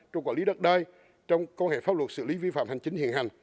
trong quả lý đặc đai trong quan hệ pháp luật xử lý vi phạm hành chính hiện hành